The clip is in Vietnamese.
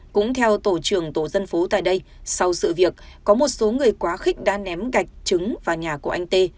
cũng theo tổ trưởng tổ dân phố tại đây sau sự việc có một số người quá khích đã ném gạch trứng vào nhà của anh tê